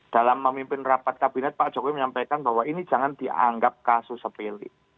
dalam memimpin rapat kabinet pak jokowi menyampaikan bahwa ini jangan dianggap kasus sepele